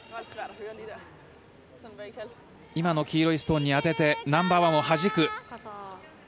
今の黄色いストーンに当ててナンバーワンをはじく。